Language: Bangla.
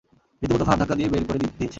রীতিমত ঘাড় ধাক্কা দিয়ে বের করে দিয়েছে।